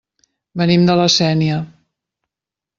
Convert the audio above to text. Venim de La Sénia.